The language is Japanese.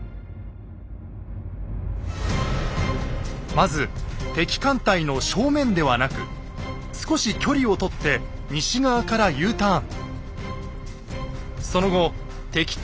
まず敵艦隊の正面ではなく少し距離を取って西側からＵターン。